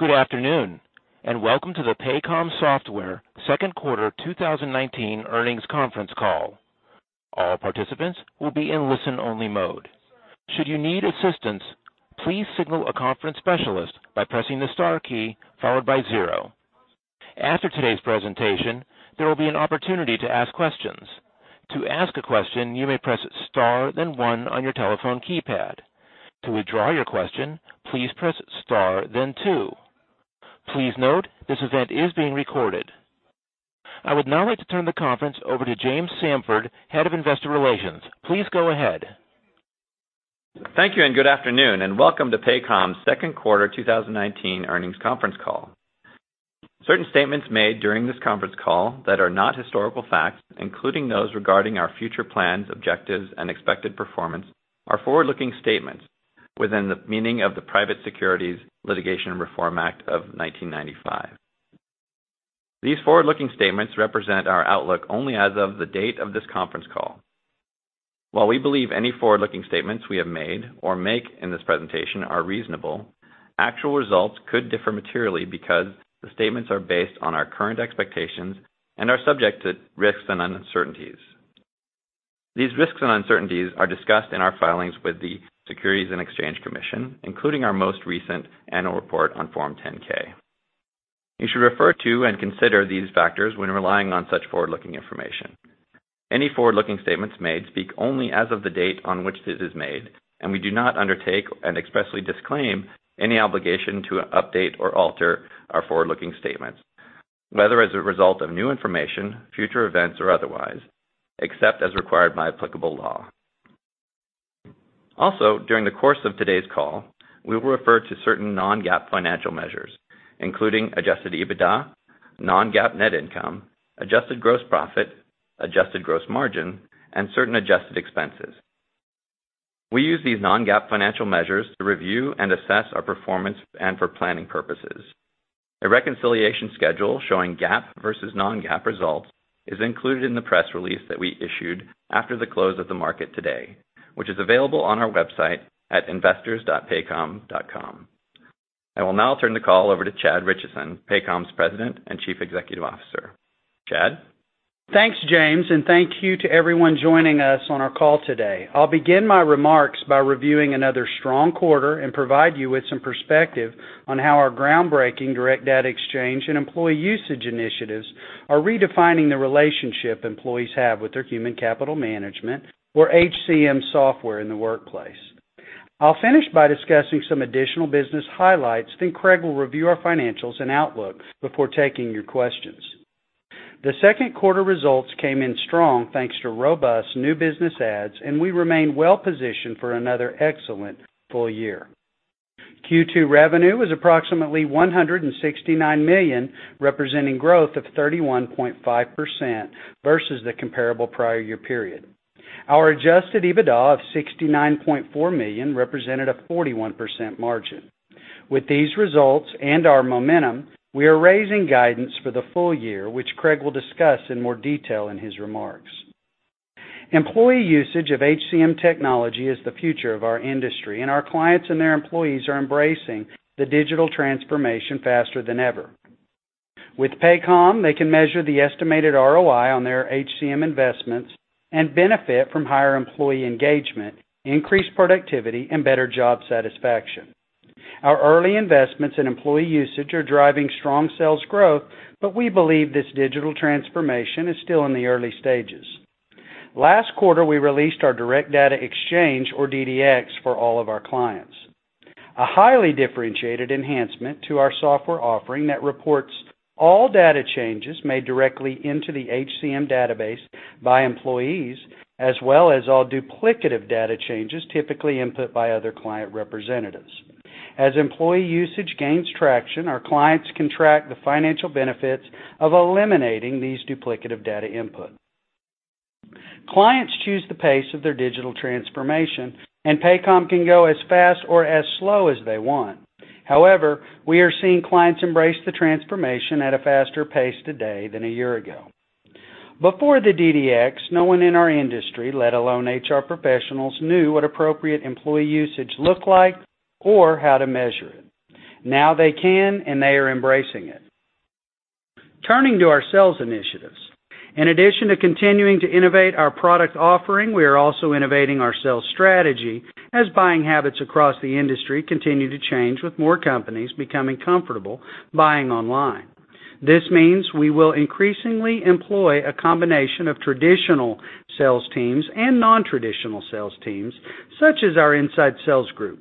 Good afternoon, and welcome to the Paycom Software second quarter 2019 earnings conference call. All participants will be in listen-only mode. Should you need assistance, please signal a conference specialist by pressing the star key, followed by zero. After today's presentation, there will be an opportunity to ask questions. To ask a question, you may press star, then one on your telephone keypad. To withdraw your question, please press star, then two. Please note, this event is being recorded. I would now like to turn the conference over to James Samford, Head of Investor Relations. Please go ahead. Thank you, and good afternoon, and welcome to Paycom's second quarter 2019 earnings conference call. Certain statements made during this conference call that are not historical facts, including those regarding our future plans, objectives, and expected performance, are forward-looking statements within the meaning of the Private Securities Litigation Reform Act of 1995. These forward-looking statements represent our outlook only as of the date of this conference call. While we believe any forward-looking statements we have made or make in this presentation are reasonable, actual results could differ materially because the statements are based on our current expectations and are subject to risks and uncertainties. These risks and uncertainties are discussed in our filings with the Securities and Exchange Commission, including our most recent annual report on Form 10-K. You should refer to and consider these factors when relying on such forward-looking information. Any forward-looking statements made speak only as of the date on which it is made, and we do not undertake and expressly disclaim any obligation to update or alter our forward-looking statements, whether as a result of new information, future events, or otherwise, except as required by applicable law. Also, during the course of today's call, we will refer to certain non-GAAP financial measures, including adjusted EBITDA, non-GAAP net income, adjusted gross profit, adjusted gross margin, and certain adjusted expenses. We use these non-GAAP financial measures to review and assess our performance and for planning purposes. A reconciliation schedule showing GAAP versus non-GAAP results is included in the press release that we issued after the close of the market today, which is available on our website at investors.paycom.com. I will now turn the call over to Chad Richison, Paycom's President and Chief Executive Officer. Chad? Thanks, James. Thank you to everyone joining us on our call today. I'll begin my remarks by reviewing another strong quarter and provide you with some perspective on how our groundbreaking Direct Data Exchange and employee usage initiatives are redefining the relationship employees have with their Human Capital Management or HCM software in the workplace. I'll finish by discussing some additional business highlights. Craig will review our financials and outlook before taking your questions. The second quarter results came in strong, thanks to robust new business ads. We remain well-positioned for another excellent full year. Q2 revenue was approximately $169 million, representing growth of 31.5% versus the comparable prior year period. Our adjusted EBITDA of $69.4 million represented a 41% margin. With these results and our momentum, we are raising guidance for the full year, which Craig will discuss in more detail in his remarks. Employee usage of HCM technology is the future of our industry, and our clients and their employees are embracing the digital transformation faster than ever. With Paycom, they can measure the estimated ROI on their HCM investments and benefit from higher employee engagement, increased productivity, and better job satisfaction. Our early investments in employee usage are driving strong sales growth, but we believe this digital transformation is still in the early stages. Last quarter, we released our Direct Data Exchange, or DDX, for all of our clients, a highly differentiated enhancement to our software offering that reports all data changes made directly into the HCM database by employees, as well as all duplicative data changes typically input by other client representatives. As employee usage gains traction, our clients can track the financial benefits of eliminating these duplicative data input. Clients choose the pace of their digital transformation, and Paycom can go as fast or as slow as they want. However, we are seeing clients embrace the transformation at a faster pace today than a year ago. Before the DDX, no one in our industry, let alone HR professionals, knew what appropriate employee usage looked like or how to measure it. Now they can, and they are embracing it. Turning to our sales initiatives. In addition to continuing to innovate our product offering, we are also innovating our sales strategy as buying habits across the industry continue to change with more companies becoming comfortable buying online. This means we will increasingly employ a combination of traditional sales teams and non-traditional sales teams, such as our inside sales group.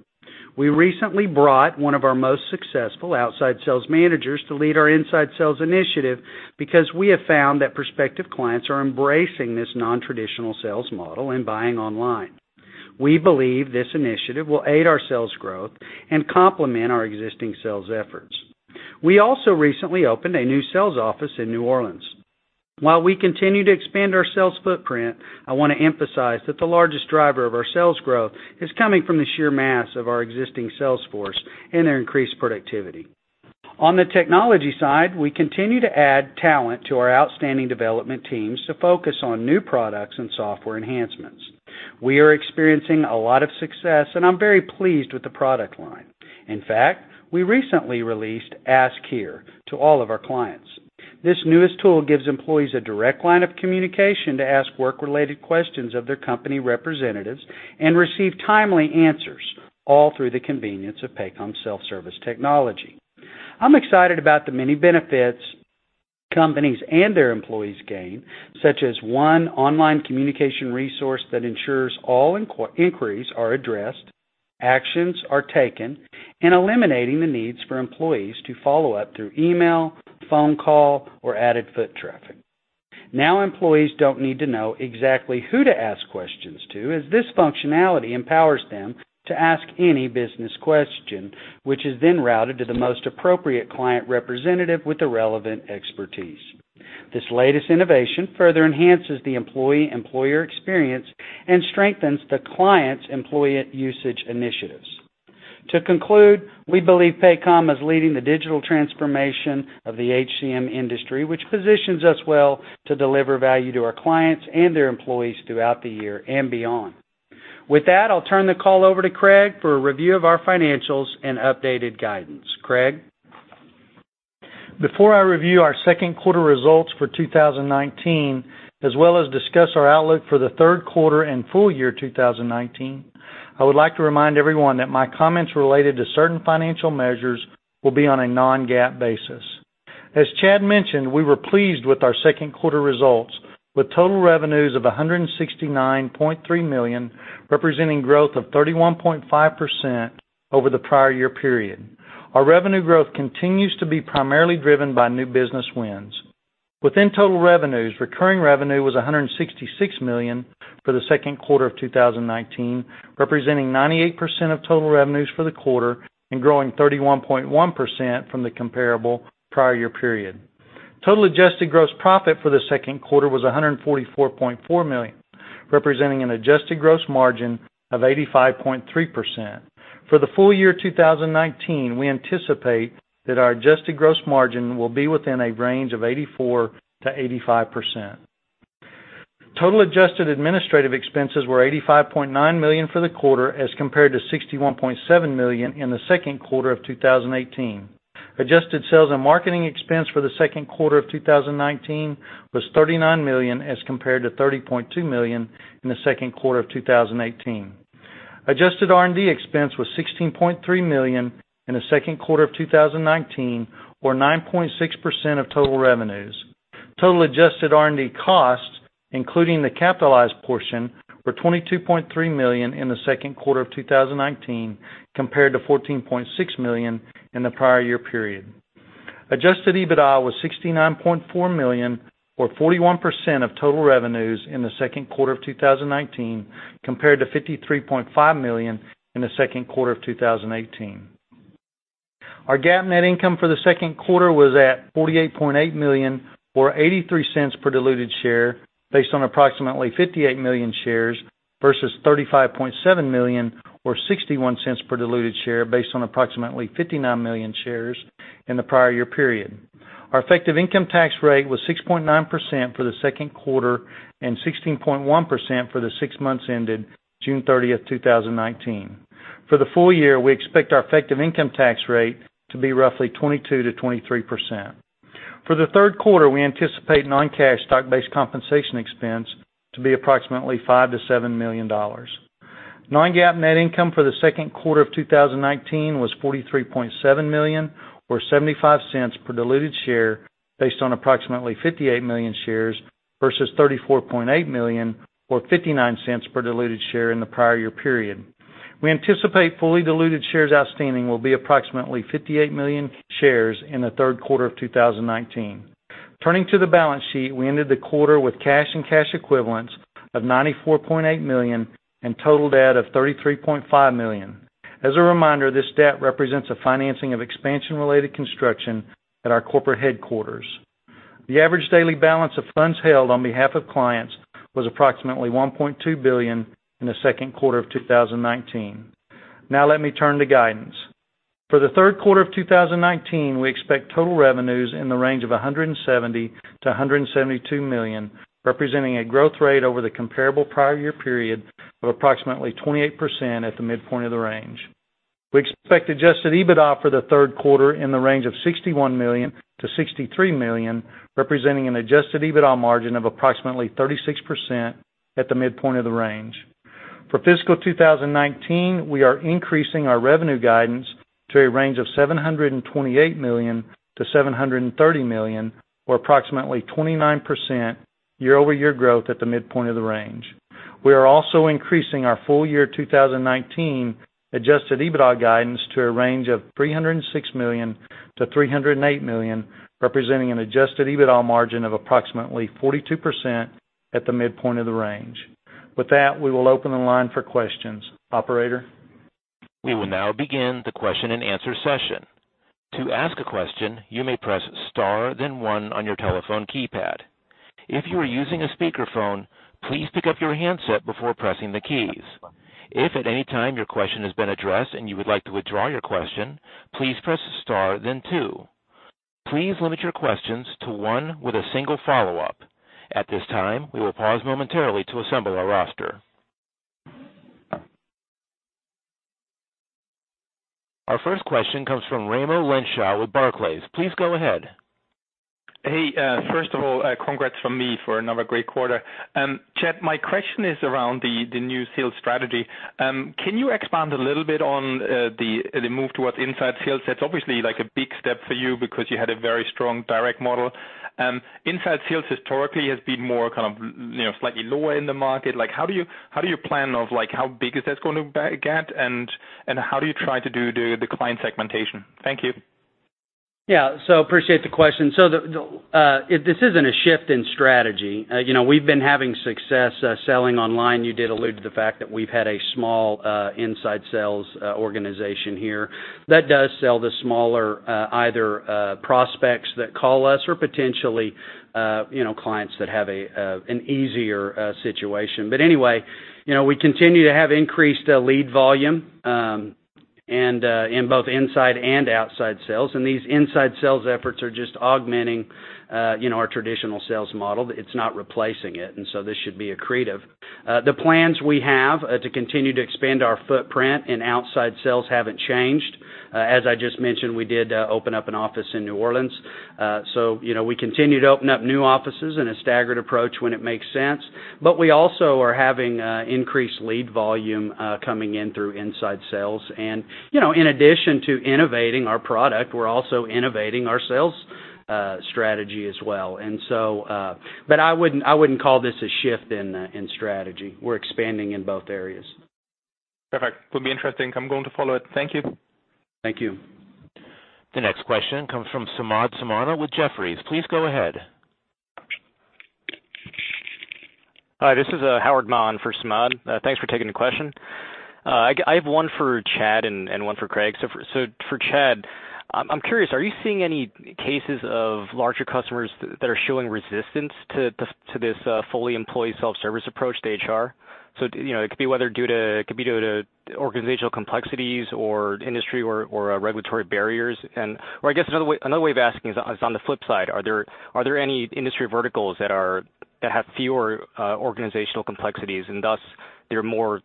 We recently brought one of our most successful outside sales managers to lead our inside sales initiative because we have found that prospective clients are embracing this non-traditional sales model and buying online. We believe this initiative will aid our sales growth and complement our existing sales efforts. We also recently opened a new sales office in New Orleans. While we continue to expand our sales footprint, I want to emphasize that the largest driver of our sales growth is coming from the sheer mass of our existing sales force and their increased productivity. On the technology side, we continue to add talent to our outstanding development teams to focus on new products and software enhancements. We are experiencing a lot of success, and I'm very pleased with the product line. In fact, we recently released Ask Here to all of our clients. This newest tool gives employees a direct line of communication to ask work-related questions of their company representatives and receive timely answers, all through the convenience of Paycom's self-service technology. I'm excited about the many benefits companies and their employees gain, such as one online communication resource that ensures all inquiries are addressed, actions are taken, and eliminating the need for employees to follow up through email, phone call, or added foot traffic. Now, employees don't need to know exactly who to ask questions to, as this functionality empowers them to ask any business question, which is then routed to the most appropriate client representative with the relevant expertise. This latest innovation further enhances the employee-employer experience and strengthens the client's employee usage initiatives. To conclude, we believe Paycom is leading the digital transformation of the HCM industry, which positions us well to deliver value to our clients and their employees throughout the year and beyond. With that, I'll turn the call over to Craig for a review of our financials and updated guidance. Craig? Before I review our second quarter results for 2019, as well as discuss our outlook for the third quarter and full year 2019, I would like to remind everyone that my comments related to certain financial measures will be on a non-GAAP basis. As Chad mentioned, we were pleased with our second quarter results, with total revenues of $169.3 million, representing growth of 31.5% over the prior year period. Our revenue growth continues to be primarily driven by new business wins. Within total revenues, recurring revenue was $166 million for the second quarter of 2019, representing 98% of total revenues for the quarter and growing 31.1% from the comparable prior year period. Total adjusted gross profit for the second quarter was $144.4 million, representing an adjusted gross margin of 85.3%. For the full year 2019, we anticipate that our adjusted gross margin will be within a range of 84%-85%. Total adjusted administrative expenses were $85.9 million for the quarter as compared to $61.7 million in the second quarter of 2018. Adjusted sales and marketing expense for the second quarter of 2019 was $39 million as compared to $30.2 million in the second quarter of 2018. Adjusted R&D expense was $16.3 million in the second quarter of 2019, or 9.6% of total revenues. Total adjusted R&D costs, including the capitalized portion, were $22.3 million in the second quarter of 2019, compared to $14.6 million in the prior year period. Adjusted EBITDA was $69.4 million, or 41% of total revenues in the second quarter of 2019, compared to $53.5 million in the second quarter of 2018. Our GAAP net income for the second quarter was at $48.8 million, or $0.83 per diluted share, based on approximately 58 million shares versus $35.7 million or $0.61 per diluted share based on approximately 59 million shares in the prior year period. Our effective income tax rate was 6.9% for the second quarter and 16.1% for the six months ended June 30, 2019. For the full year, we expect our effective income tax rate to be roughly 22%-23%. For the third quarter, we anticipate non-cash stock-based compensation expense to be approximately $5 million-$7 million. Non-GAAP net income for the second quarter of 2019 was $43.7 million, or $0.75 per diluted share based on approximately 58 million shares versus $34.8 million or $0.59 per diluted share in the prior year period. We anticipate fully diluted shares outstanding will be approximately 58 million shares in the third quarter of 2019. Turning to the balance sheet, we ended the quarter with cash and cash equivalents of $94.8 million and total debt of $33.5 million. As a reminder, this debt represents a financing of expansion-related construction at our corporate headquarters. The average daily balance of funds held on behalf of clients was approximately $1.2 billion in the second quarter of 2019. Let me turn to guidance. For the third quarter of 2019, we expect total revenues in the range of $170 million-$172 million, representing a growth rate over the comparable prior year period of approximately 28% at the midpoint of the range. We expect adjusted EBITDA for the third quarter in the range of $61 million-$63 million, representing an adjusted EBITDA margin of approximately 36% at the midpoint of the range. For fiscal 2019, we are increasing our revenue guidance to a range of $728 million-$730 million, or approximately 29% year-over-year growth at the midpoint of the range. We are also increasing our full year 2019 adjusted EBITDA guidance to a range of $306 million-$308 million, representing an adjusted EBITDA margin of approximately 42% at the midpoint of the range. With that, we will open the line for questions. Operator? We will now begin the question and answer session. To ask a question, you may press star then one on your telephone keypad. If you are using a speakerphone, please pick up your handset before pressing the keys. If at any time your question has been addressed and you would like to withdraw your question, please press star then two. Please limit your questions to one with a single follow-up. At this time, we will pause momentarily to assemble our roster. Our first question comes from Raimo Lenschow with Barclays. Please go ahead. Hey, first of all, congrats from me for another great quarter. Chad, my question is around the new sales strategy. Can you expand a little bit on the move towards inside sales? That's obviously a big step for you because you had a very strong direct model. Inside sales historically has been more slightly lower in the market. How do you plan of how big is that going to get and how do you try to do the client segmentation? Thank you. Appreciate the question. This isn't a shift in strategy. We've been having success selling online. You did allude to the fact that we've had a small inside sales organization here that does sell the smaller either prospects that call us or potentially clients that have an easier situation. Anyway, we continue to have increased lead volume in both inside and outside sales, and these inside sales efforts are just augmenting our traditional sales model. It's not replacing it. This should be accretive. The plans we have to continue to expand our footprint in outside sales haven't changed. As I just mentioned, we did open up an office in New Orleans. We continue to open up new offices in a staggered approach when it makes sense. We also are having increased lead volume coming in through inside sales. In addition to innovating our product, we're also innovating our sales strategy as well. I wouldn't call this a shift in strategy. We're expanding in both areas. Perfect. Will be interesting. I'm going to follow it. Thank you. Thank you. The next question comes from Samad Samana with Jefferies. Please go ahead. Hi, this is Howard Mann for Samad. Thanks for taking the question. I have one for Chad and one for Craig. For Chad, I'm curious, are you seeing any cases of larger customers that are showing resistance to this fully employee self-service approach to HR? It could be whether due to organizational complexities or industry or regulatory barriers. I guess another way of asking is on the flip side, are there any industry verticals that have fewer organizational complexities and thus it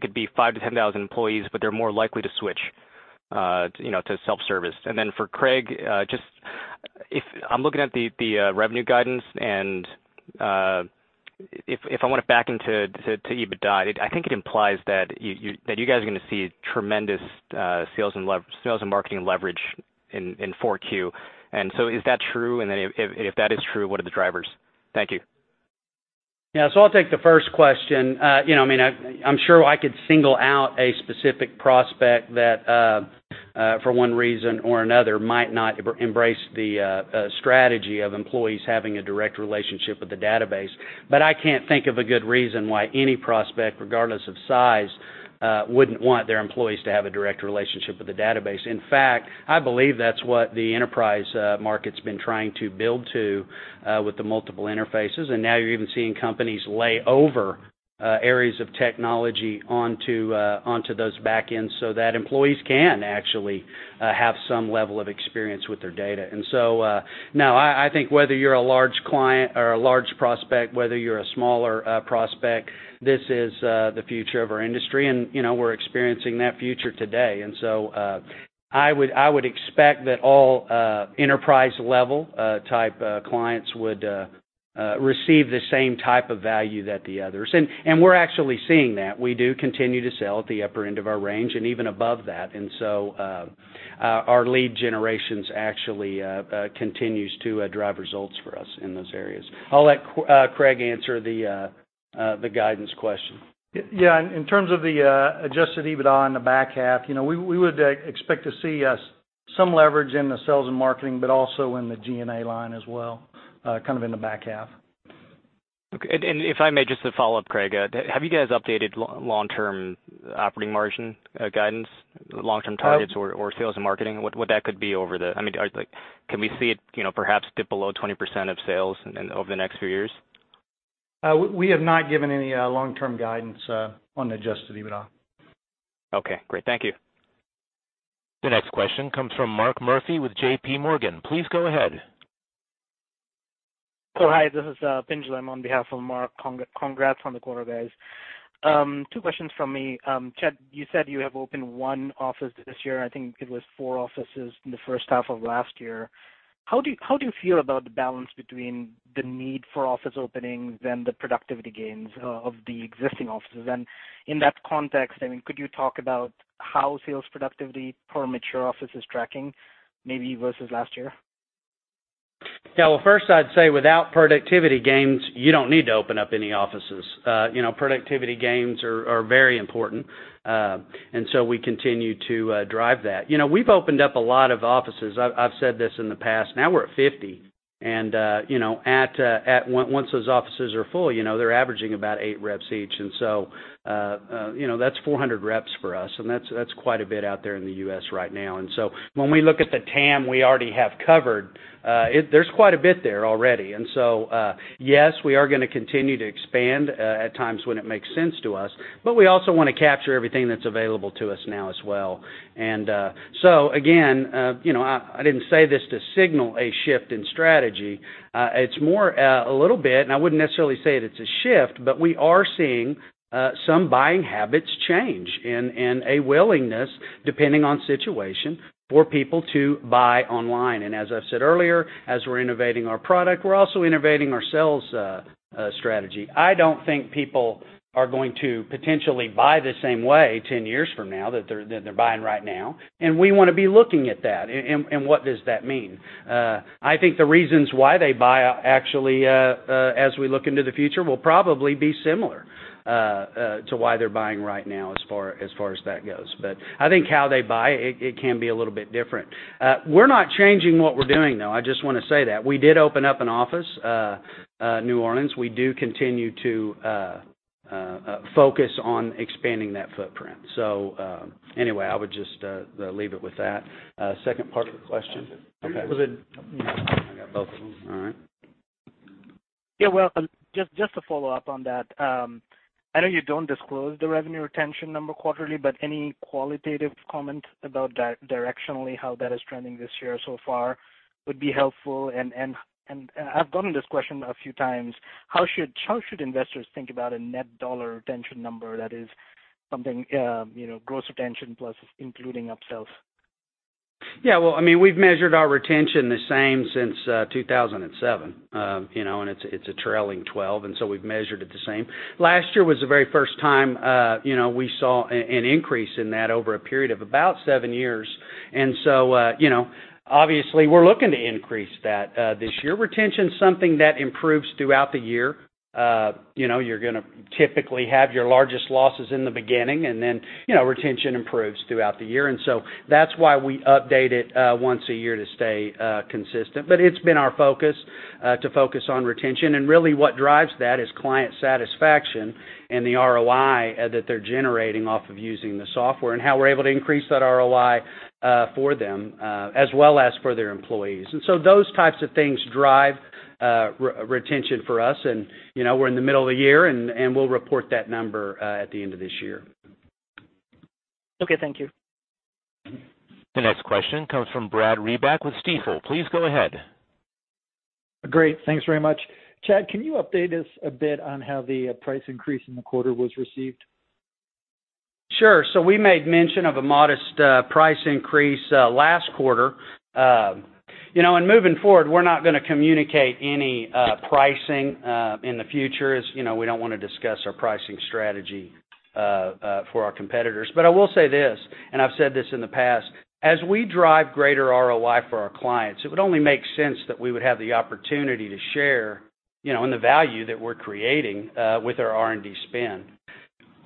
could be five to 10,000 employees, but they're more likely to switch to self-service? Then for Craig, I'm looking at the revenue guidance, and if I want to back into EBITDA, I think it implies that you guys are going to see tremendous sales and marketing leverage in 4Q. Is that true? If that is true, what are the drivers? Thank you. I'll take the first question. I'm sure I could single out a specific prospect that, for one reason or another, might not embrace the strategy of employees having a direct relationship with the database. I can't think of a good reason why any prospect, regardless of size, wouldn't want their employees to have a direct relationship with the database. In fact, I believe that's what the enterprise market's been trying to build to with the multiple interfaces, and now you're even seeing companies lay over areas of technology onto those back ends so that employees can actually have some level of experience with their data. No, I think whether you're a large client or a large prospect, whether you're a smaller prospect, this is the future of our industry, and we're experiencing that future today. I would expect that all enterprise-level type clients would receive the same type of value that the others. We're actually seeing that. We do continue to sell at the upper end of our range and even above that. Our lead generations actually continues to drive results for us in those areas. I'll let Craig answer the guidance question. Yeah, in terms of the adjusted EBITDA in the back half, we would expect to see some leverage in the sales and marketing, but also in the G&A line as well, kind of in the back half. Okay. If I may just a follow-up, Craig, have you guys updated long-term operating margin guidance, long-term targets or sales and marketing? Can we see it perhaps dip below 20% of sales over the next few years? We have not given any long-term guidance on adjusted EBITDA. Okay, great. Thank you. The next question comes from Mark Murphy with JP Morgan. Please go ahead. Hi, this is Pinjalim. I'm on behalf of Mark. Congrats on the quarter, guys. Two questions from me. Chad, you said you have opened one office this year. I think it was four offices in the first half of last year. How do you feel about the balance between the need for office openings and the productivity gains of the existing offices? In that context, could you talk about how sales productivity per mature office is tracking, maybe versus last year? Yeah. Well, first I'd say without productivity gains, you don't need to open up any offices. Productivity gains are very important. We continue to drive that. We've opened up a lot of offices. I've said this in the past. Now we're at 50. Once those offices are full, they're averaging about eight reps each. That's 400 reps for us, and that's quite a bit out there in the U.S. right now. When we look at the TAM we already have covered, there's quite a bit there already. Yes, we are going to continue to expand at times when it makes sense to us, but we also want to capture everything that's available to us now as well. Again, I didn't say this to signal a shift in strategy. It's more a little bit, and I wouldn't necessarily say it's a shift, but we are seeing some buying habits change, and a willingness, depending on situation, for people to buy online. As I've said earlier, as we're innovating our product, we're also innovating our sales strategy. I don't think people are going to potentially buy the same way 10 years from now that they're buying right now. We want to be looking at that, and what does that mean? I think the reasons why they buy, actually, as we look into the future, will probably be similar to why they're buying right now as far as that goes. I think how they buy, it can be a little bit different. We're not changing what we're doing, though. I just want to say that. We did open up an office, New Orleans. We do continue to focus on expanding that footprint. Anyway, I would just leave it with that. Second part of the question? That's it. Okay. I got both of them. All right. Yeah. Well, just to follow up on that. I know you don't disclose the revenue retention number quarterly, but any qualitative comment about directionally how that is trending this year so far would be helpful. I've gotten this question a few times. How should investors think about a net dollar retention number that is something gross retention plus including upsells? We've measured our retention the same since 2007. It's a trailing 12, we've measured it the same. Last year was the very first time we saw an increase in that over a period of about seven years. Obviously, we're looking to increase that this year. Retention's something that improves throughout the year. You're going to typically have your largest losses in the beginning, retention improves throughout the year. That's why we update it once a year to stay consistent. It's been our focus to focus on retention. Really what drives that is client satisfaction and the ROI that they're generating off of using the software, and how we're able to increase that ROI for them, as well as for their employees. Those types of things drive retention for us. We're in the middle of the year, and we'll report that number at the end of this year. Okay, thank you. The next question comes from Brad Reback with Stifel. Please go ahead. Great. Thanks very much. Chad, can you update us a bit on how the price increase in the quarter was received? Sure. We made mention of a modest price increase last quarter. Moving forward, we're not going to communicate any pricing in the future, as we don't want to discuss our pricing strategy for our competitors. I will say this, and I've said this in the past. As we drive greater ROI for our clients, it would only make sense that we would have the opportunity to share in the value that we're creating with our R&D spend.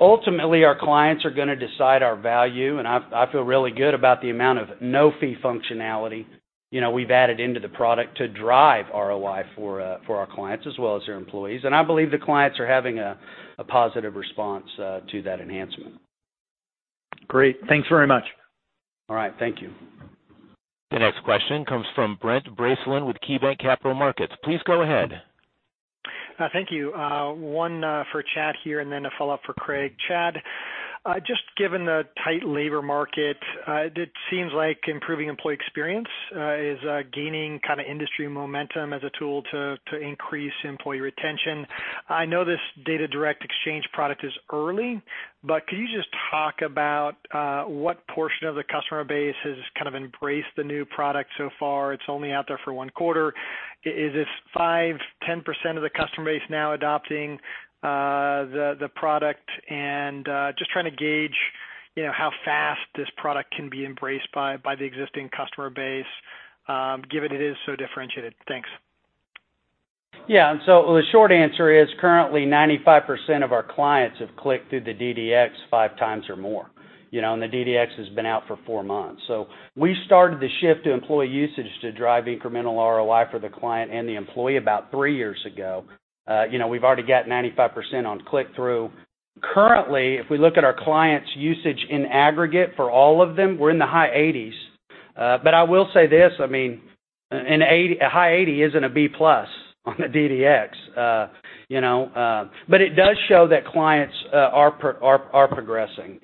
Ultimately, our clients are going to decide our value, and I feel really good about the amount of no-fee functionality we've added into the product to drive ROI for our clients as well as their employees. I believe the clients are having a positive response to that enhancement. Great. Thanks very much. All right. Thank you. The next question comes from Brent Bracelin with KeyBanc Capital Markets. Please go ahead. Thank you. One for Chad here, and then a follow-up for Craig. Chad, just given the tight labor market, it seems like improving employee experience is gaining industry momentum as a tool to increase employee retention. I know this Direct Data Exchange product is early, but could you just talk about what portion of the customer base has embraced the new product so far? It's only out there for one quarter. Is this 5%, 10% of the customer base now adopting the product? Just trying to gauge how fast this product can be embraced by the existing customer base, given it is so differentiated. Thanks. Yeah. The short answer is, currently 95% of our clients have clicked through the DDX five times or more. The DDX has been out for four months. We started the shift to employee usage to drive incremental ROI for the client and the employee about three years ago. We've already got 95% on click-through. Currently, if we look at our clients' usage in aggregate for all of them, we're in the high 80s. I will say this. A high 80 isn't a B+ on the DDX. It does show that clients are progressing.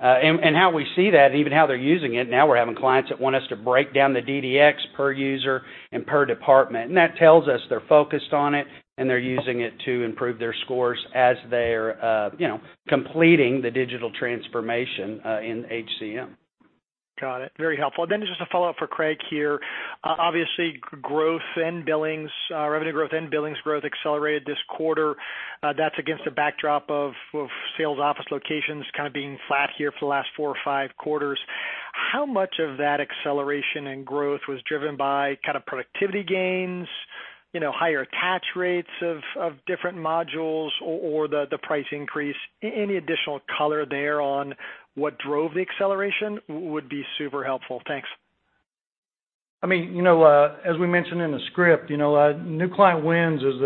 How we see that, even how they're using it now, we're having clients that want us to break down the DDX per user and per department. That tells us they're focused on it, and they're using it to improve their scores as they're completing the digital transformation in HCM. Got it. Very helpful. Just a follow-up for Craig here. Obviously, revenue growth and billings growth accelerated this quarter. That's against a backdrop of sales office locations being flat here for the last four or five quarters. How much of that acceleration and growth was driven by productivity gains, higher attach rates of different modules, or the price increase? Any additional color there on what drove the acceleration would be super helpful. Thanks. As we mentioned in the script, new client wins is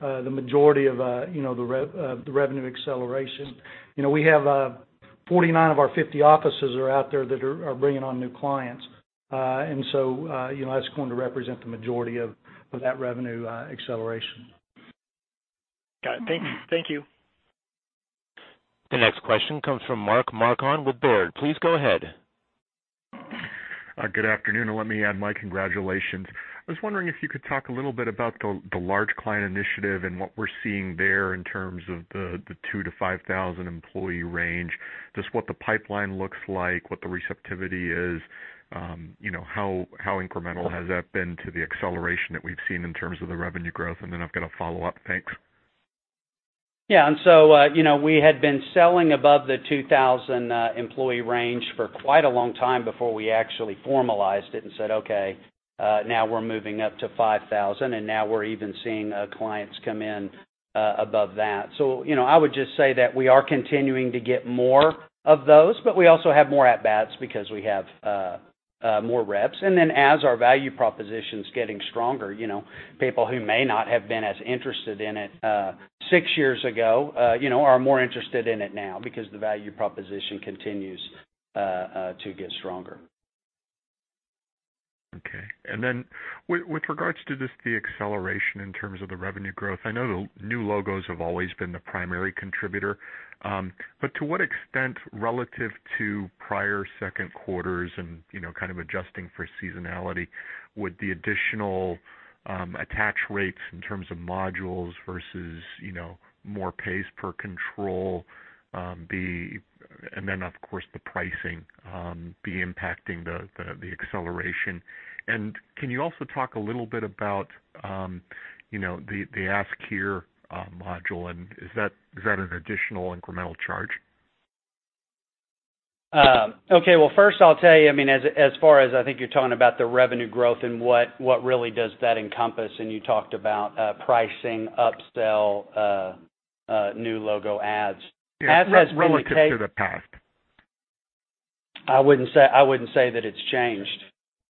the majority of the revenue acceleration. We have 49 of our 50 offices are out there that are bringing on new clients. That's going to represent the majority of that revenue acceleration. Got it. Thank you. The next question comes from Mark Marcon with Baird. Please go ahead. Good afternoon, and let me add my congratulations. I was wondering if you could talk a little bit about the large client initiative and what we're seeing there in terms of the 2-5,000 employee range. Just what the pipeline looks like, what the receptivity is, how incremental has that been to the acceleration that we've seen in terms of the revenue growth? Then I've got a follow-up. Thanks. Yeah. We had been selling above the 2,000 employee range for quite a long time before we actually formalized it and said, "Okay, now we're moving up to 5,000," and now we're even seeing clients come in above that. I would just say that we are continuing to get more of those, but we also have more at-bats because we have more reps. As our value proposition's getting stronger, people who may not have been as interested in it six years ago, are more interested in it now because the value proposition continues to get stronger. Okay. Then with regards to just the acceleration in terms of the revenue growth, I know the new logos have always been the primary contributor, but to what extent relative to prior second quarters and kind of adjusting for seasonality, would the additional attach rates in terms of modules versus more pay per control, of course, the pricing, be impacting the acceleration? Can you also talk a little bit about the Ask Here module, and is that an additional incremental charge? Okay. Well, first I'll tell you, as far as I think you're talking about the revenue growth and what really does that encompass, and you talked about pricing, upsell, new logo adds. As has been the case. Yeah, relative to the past. I wouldn't say that it's changed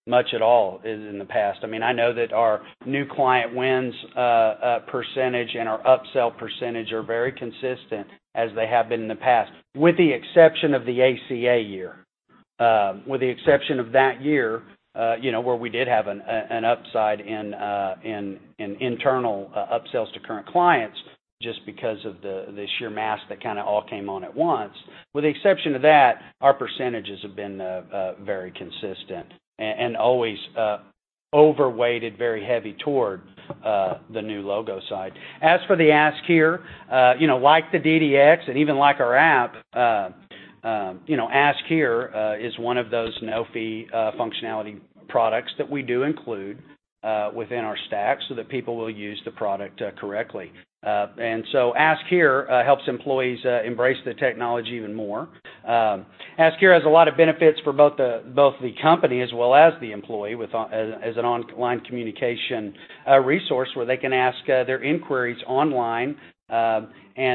much at all in the past. I know that our new client wins percentage and our upsell percentage are very consistent as they have been in the past, with the exception of the ACA year. With the exception of that year, where we did have an upside in internal upsells to current clients just because of the sheer mass that kind of all came on at once. With the exception to that, our percentages have been very consistent and always overweighted very heavy toward the new logo side. As for the Ask Here, like the DDX and even like our app, Ask Here is one of those no-fee functionality products that we do include within our stack so that people will use the product correctly. Ask Here helps employees embrace the technology even more. Ask Here has a lot of benefits for both the company as well as the employee as an online communication resource where they can ask their inquiries online, and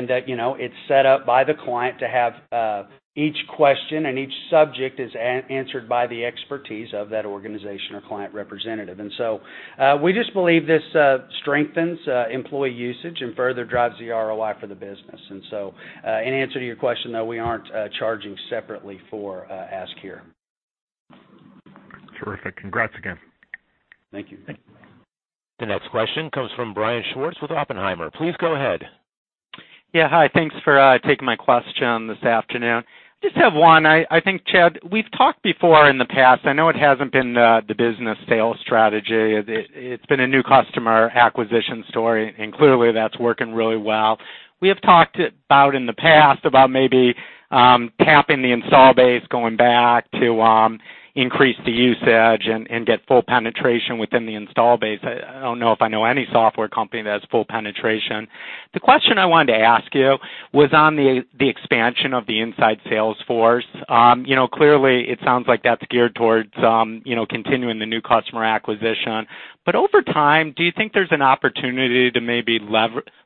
it's set up by the client to have each question and each subject is answered by the expertise of that organization or client representative. We just believe this strengthens employee usage and further drives the ROI for the business. In answer to your question, no, we aren't charging separately for Ask Here. Terrific. Congrats again. Thank you. The next question comes from Brian Schwartz with Oppenheimer. Please go ahead. Yeah. Hi, thanks for taking my question this afternoon. Just have one. I think, Chad, we've talked before in the past, I know it hasn't been the business sales strategy. It's been a new customer acquisition story, and clearly that's working really well. We have talked about in the past about maybe tapping the install base, going back to increase the usage and get full penetration within the install base. I don't know if I know any software company that has full penetration. The question I wanted to ask you was on the expansion of the inside sales force. Clearly, it sounds like that's geared towards continuing the new customer acquisition. Over time, do you think there's an opportunity to maybe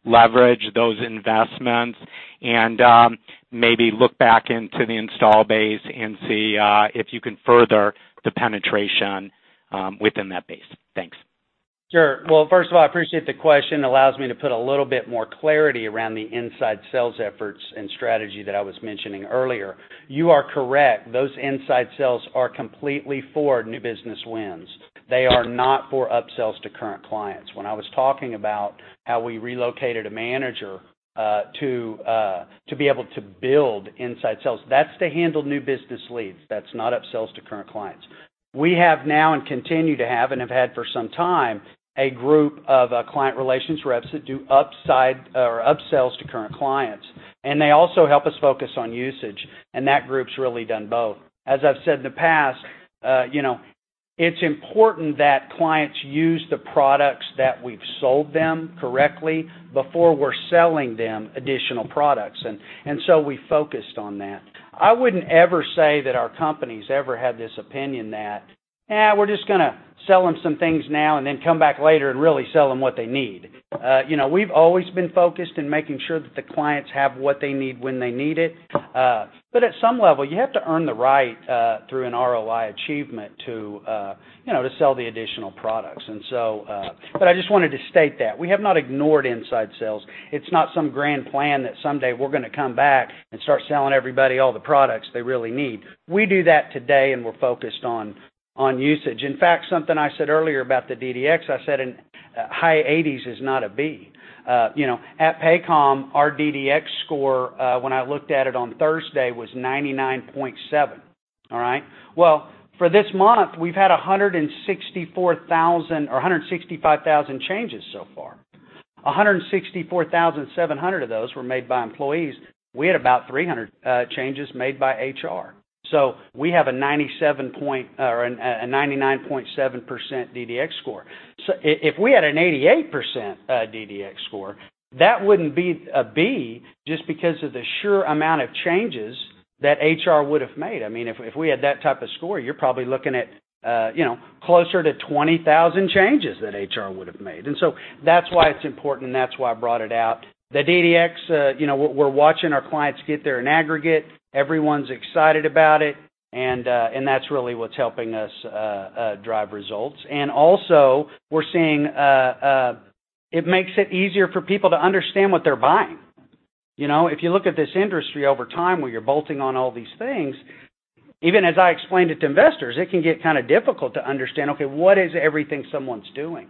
leverage those investments and, maybe look back into the install base and see if you can further the penetration within that base? Thanks. Sure. Well, first of all, I appreciate the question. Allows me to put a little bit more clarity around the inside sales efforts and strategy that I was mentioning earlier. You are correct. Those inside sales are completely for new business wins. They are not for upsells to current clients. When I was talking about how we relocated a manager to be able to build inside sales, that's to handle new business leads. That's not upsells to current clients. We have now and continue to have and have had for some time, a group of client relations reps that do upsells to current clients, and they also help us focus on usage, and that group's really done both. As I've said in the past, it's important that clients use the products that we've sold them correctly before we're selling them additional products, and so we focused on that. I wouldn't ever say that our company's ever had this opinion that, "We're just going to sell them some things now and then come back later and really sell them what they need. We've always been focused in making sure that the clients have what they need when they need it. At some level, you have to earn the right, through an ROI achievement, to sell the additional products. I just wanted to state that. We have not ignored inside sales. It's not some grand plan that someday we're going to come back and start selling everybody all the products they really need. We do that today, and we're focused on usage. In fact, something I said earlier about the DDX, I said in high 80s is not a B. At Paycom, our DDX score, when I looked at it on Thursday, was 99.7. All right? Well, for this month, we've had 164,000 or 165,000 changes so far. 164,700 of those were made by employees. We had about 300 changes made by HR. We have a 99.7% DDX score. If we had an 88% DDX score, that wouldn't be a B just because of the sheer amount of changes that HR would've made. If we had that type of score, you're probably looking at closer to 20,000 changes that HR would've made. That's why it's important, and that's why I brought it out. The DDX, we're watching our clients get there in aggregate. Everyone's excited about it, and that's really what's helping us drive results. Also, we're seeing it makes it easier for people to understand what they're buying. If you look at this industry over time, where you're bolting on all these things, even as I explained it to investors, it can get kind of difficult to understand, okay, what is everything someone's doing?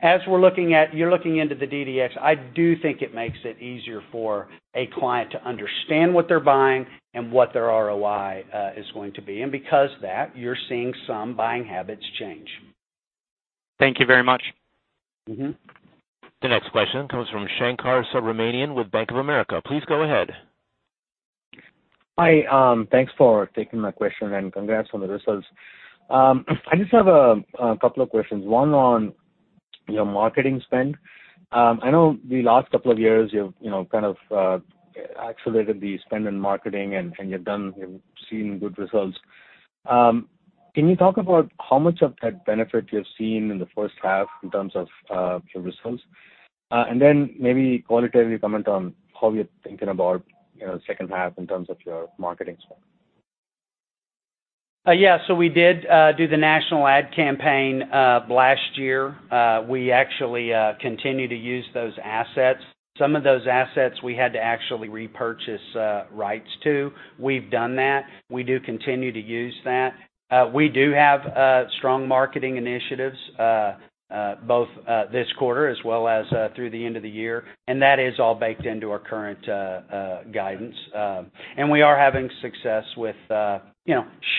As you're looking into the DDX, I do think it makes it easier for a client to understand what they're buying and what their ROI is going to be. Because of that, you're seeing some buying habits change. Thank you very much. The next question comes from Shankar Subramanian with Bank of America. Please go ahead. Hi. Thanks for taking my question, and congrats on the results. I just have a couple of questions, one on your marketing spend. I know the last couple of years you've kind of accelerated the spend in marketing, and you've seen good results. Can you talk about how much of that benefit you've seen in the first half in terms of your results? Maybe qualitatively comment on how you're thinking about second half in terms of your marketing spend. We did do the national ad campaign, last year. We actually continue to use those assets. Some of those assets we had to actually repurchase rights to. We've done that. We do continue to use that. We do have strong marketing initiatives, both this quarter as well as through the end of the year, and that is all baked into our current guidance. We are having success with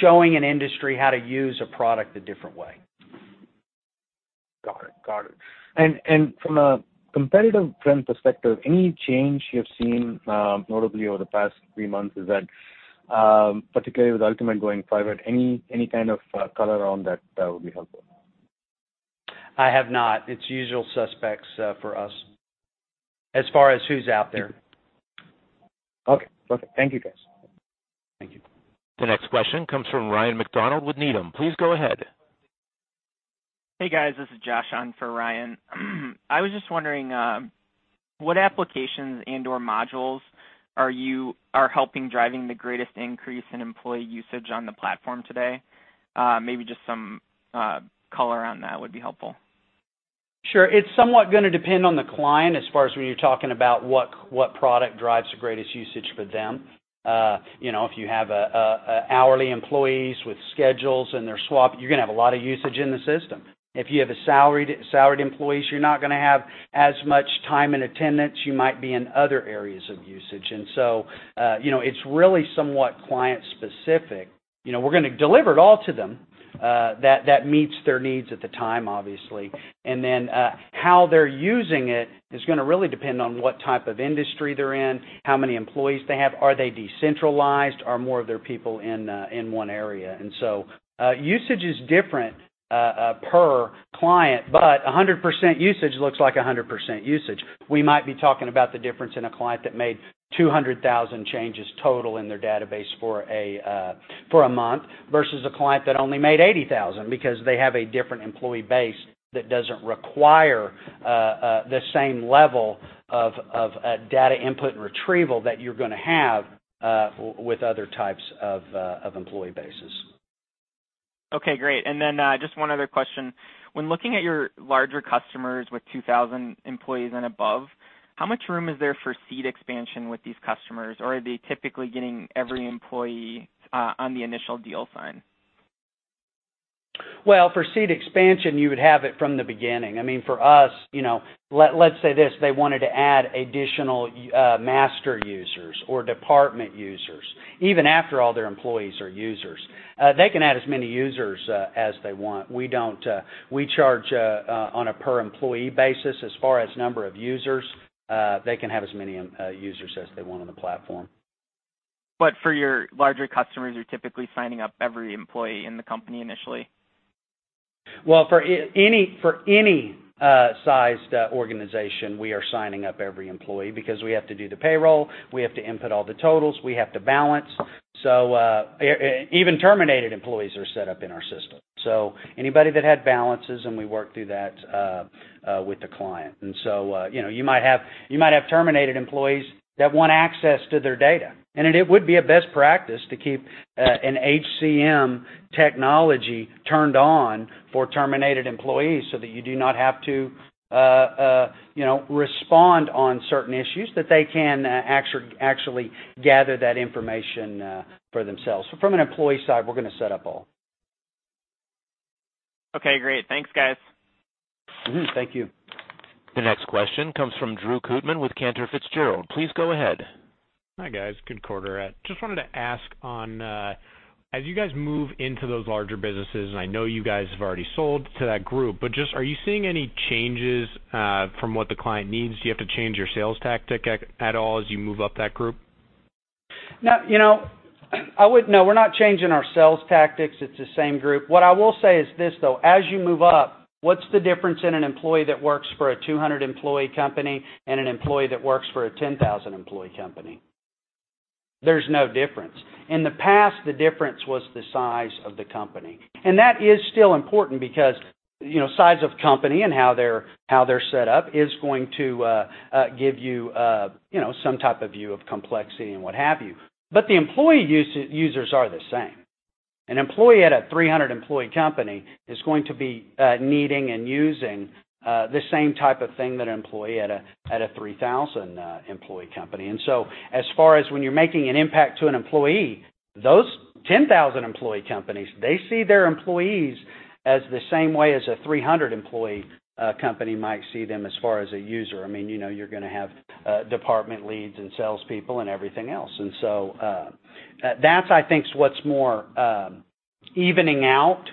showing an industry how to use a product a different way. Got it. From a competitive trend perspective, any change you've seen, notably over the past three months, is that, particularly with Ultimate going private, any kind of color on that would be helpful? I have not. It's usual suspects for us as far as who's out there. Okay. Thank you, guys. Thank you. The next question comes from Ryan MacDonald with Needham. Please go ahead. Hey, guys, this is Josh on for Ryan. I was just wondering, what applications and/or modules are helping driving the greatest increase in employee usage on the platform today? Maybe just some color on that would be helpful. Sure. It's somewhat going to depend on the client as far as when you're talking about what product drives the greatest usage for them. If you have hourly employees with schedules and they're swapped, you're going to have a lot of usage in the system. If you have salaried employees, you're not going to have as much time and attendance. You might be in other areas of usage. It's really somewhat client specific. We're going to deliver it all to them, that meets their needs at the time, obviously. How they're using it is going to really depend on what type of industry they're in, how many employees they have, are they decentralized, are more of their people in one area? Usage is different per client, but 100% usage looks like 100% usage. We might be talking about the difference in a client that made 200,000 changes total in their database for a month versus a client that only made 80,000 because they have a different employee base that doesn't require the same level of data input and retrieval that you're going to have with other types of employee bases. Okay, great. Just one other question. When looking at your larger customers with 2,000 employees and above, how much room is there for seat expansion with these customers, or are they typically getting every employee on the initial deal sign? Well, for seat expansion, you would have it from the beginning. For us, let's say this, they wanted to add additional master users or department users, even after all their employees are users. They can add as many users as they want. We charge on a per employee basis. As far as number of users, they can have as many users as they want on the platform. For your larger customers, you're typically signing up every employee in the company initially? Well, for any sized organization, we are signing up every employee because we have to do the payroll, we have to input all the totals, we have to balance. Even terminated employees are set up in our system. Anybody that had balances and we work through that with the client. You might have terminated employees that want access to their data, and it would be a best practice to keep an HCM technology turned on for terminated employees so that you do not have to respond on certain issues, that they can actually gather that information for themselves. From an employee side, we're going to set up all. Okay, great. Thanks, guys. Mm-hmm. Thank you. The next question comes from Drew Kootman with Cantor Fitzgerald. Please go ahead. Hi, guys. Good quarter. Just wanted to ask on, as you guys move into those larger businesses, and I know you guys have already sold to that group, but just are you seeing any changes from what the client needs? Do you have to change your sales tactic at all as you move up that group? We're not changing our sales tactics. It's the same group. What I will say is this, though, as you move up, what's the difference in an employee that works for a 200-employee company and an employee that works for a 10,000-employee company? There's no difference. In the past, the difference was the size of the company. That is still important because size of company and how they're set up is going to give you some type of view of complexity and what have you. The employee users are the same. An employee at a 300-employee company is going to be needing and using the same type of thing that an employee at a 3,000-employee company. As far as when you're making an impact to an employee, those 10,000-employee companies, they see their employees as the same way as a 300-employee company might see them as far as a user. You're going to have department leads and salespeople and everything else. That I think, is what's more evening out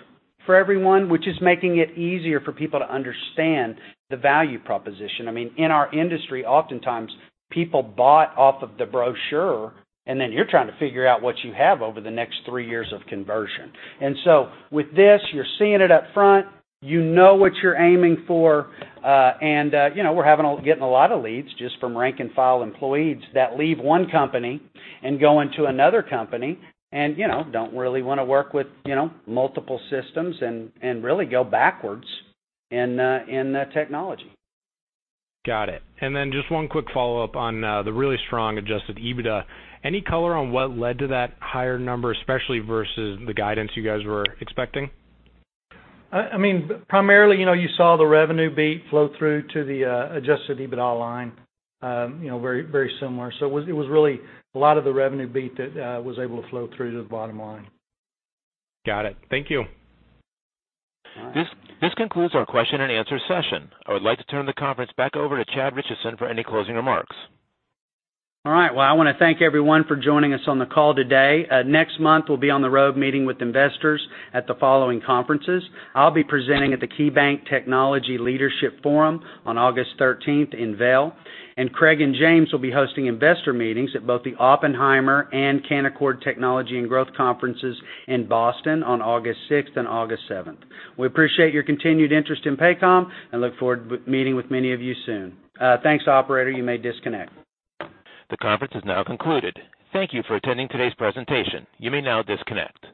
for everyone, which is making it easier for people to understand the value proposition. In our industry, oftentimes people bought off of the brochure, and then you're trying to figure out what you have over the next three years of conversion. With this, you're seeing it up front, you know what you're aiming for, and we're getting a lot of leads just from rank-and-file employees that leave one company and go into another company, and don't really want to work with multiple systems and really go backwards in technology. Got it. Just one quick follow-up on the really strong adjusted EBITDA. Any color on what led to that higher number, especially versus the guidance you guys were expecting? Primarily, you saw the revenue beat flow through to the adjusted EBITDA line, very similar. It was really a lot of the revenue beat that was able to flow through to the bottom line. Got it. Thank you. All right. This concludes our question and answer session. I would like to turn the conference back over to Chad Richison for any closing remarks. All right. Well, I want to thank everyone for joining us on the call today. Next month, we'll be on the road meeting with investors at the following conferences. I'll be presenting at the KeyBanc Technology Leadership Forum on August 13th in Vail, and Craig and James will be hosting investor meetings at both the Oppenheimer and Canaccord Technology and Growth Conferences in Boston on August 6th and August 7th. We appreciate your continued interest in Paycom and look forward to meeting with many of you soon. Thanks, operator. You may disconnect. The conference is now concluded. Thank you for attending today's presentation. You may now disconnect.